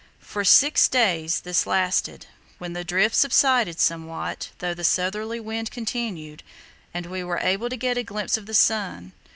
For six days this lasted, when the drift subsided somewhat, though the southerly wind continued, and we were able to get a glimpse of the sun.